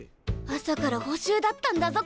朝から補習だったんだぞ